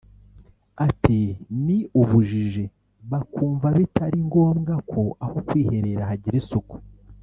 Ati“Ni ubujiji bakumva bitari ngombwa ko aho kwiherera hagira isuku